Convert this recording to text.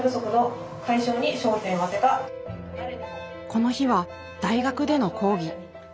この日は大学での講義。